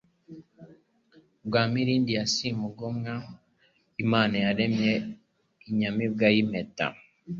Rwaa Miriindi ya Siimugomwa Imaana yaremye inyamibwa y'Impeta